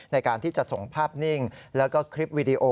ในการที่จะส่งภาพนิ่งแล้วก็คลิปวีดีโอ